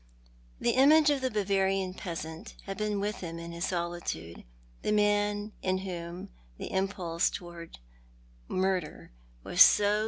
The image of the Bavarian peasant had been with him in his solitude, the man in whom the impulse towards murder was so 128 Thou art the Man.